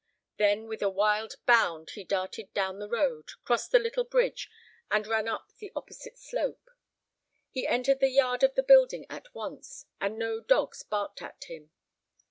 Then with a wild bound he darted down the road, crossed the little bridge, and ran up the opposite slope. He entered the yard of the building at once, and no dogs barked at him.